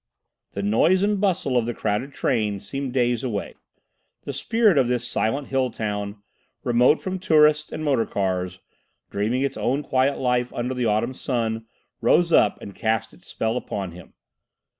The noise and bustle of the crowded train seemed days away. The spirit of this silent hill town, remote from tourists and motor cars, dreaming its own quiet life under the autumn sun, rose up and cast its spell upon him.